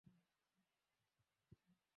Ni eneo la kushangaza na eneo muhimu